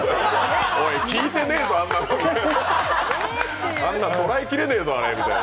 おい、聞いてねえぞ、あんなのあんなのとらえきれねえぞみたいな。